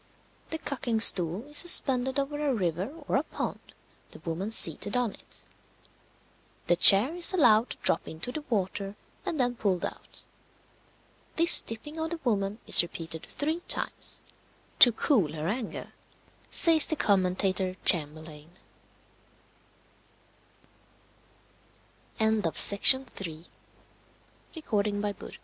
The cucking stool is suspended over a river or a pond, the woman seated on it. The chair is allowed to drop into the water, and then pulled out. This dipping of the woman is repeated three times, "to cool her anger," says the commentator, Chamberlayne. PART I. BOOK THE FIRST. _NIGHT